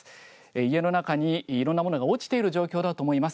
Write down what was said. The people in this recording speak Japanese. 家の中にいろんなものが落ちている状況だと思います。